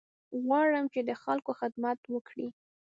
غواړم چې د خلکو خدمت وکړې.